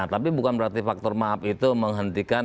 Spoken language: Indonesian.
tapi bukan berarti faktor maaf itu menghentikan suatu permintaan